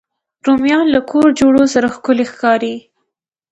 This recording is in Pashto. رومیان له کور جوړو سره ښکلي ښکاري